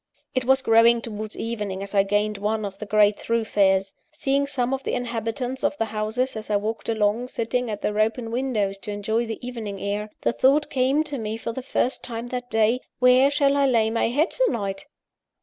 It was growing towards evening as I gained one of the great thoroughfares. Seeing some of the inhabitants of the houses, as I walked along, sitting at their open windows to enjoy the evening air, the thought came to me for the first time that day: where shall I lay my head tonight?